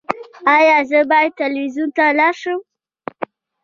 ایا زه باید تلویزیون ته لاړ شم؟